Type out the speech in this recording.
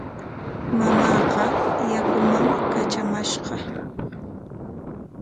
Mamaaqa yakuman katramashqa.